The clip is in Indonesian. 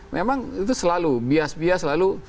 memang itu selalu bias bias lalu